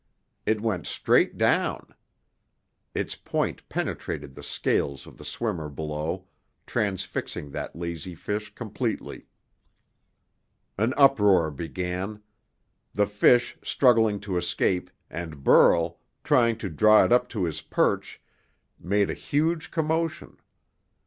It went straight down. Its point penetrated the scales of the swimmer below, transfixing that lazy fish completely. An uproar began. The fish, struggling to escape, and Burl, trying to draw it up to his perch, made a huge commotion.